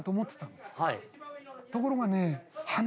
ところがね。